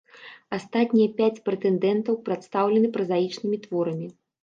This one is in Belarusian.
Астатнія пяць прэтэндэнтаў прадстаўлены празаічнымі творамі.